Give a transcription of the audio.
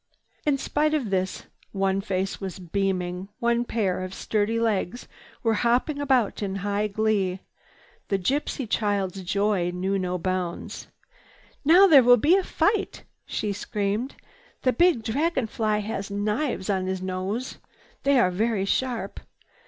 In spite of this, one face was beaming, one pair of sturdy legs were hopping about in high glee. The gypsy child's joy knew no bounds. "Now there will be a fight!" she screamed. "The big Dragon Fly has knives on his nose. They are very sharp.